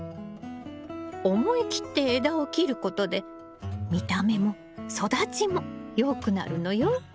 思い切って枝を切ることで見た目も育ちもよくなるのよ。